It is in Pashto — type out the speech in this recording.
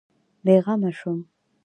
بېغمه شوم.